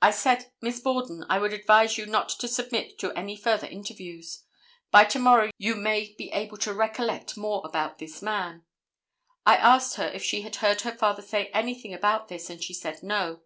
I said, 'Miss Borden, I would advise you not to submit to any further interviews. By to morrow you may be able to recollect more about this man.' I asked her if she had heard her father say anything about this and she said no.